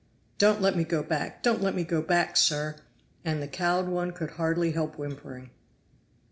"Don't let me go back don't let me go back, sir!" And the cowed one could hardly help whimpering.